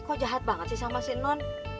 kok jahat banget sih sama si non